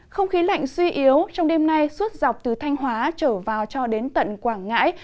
không khí lạnh suy yếu trong đêm nay suốt dọc từ thanh hóa trở vào cho đến tận quảng ngãi